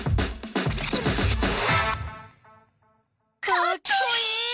かっこいい！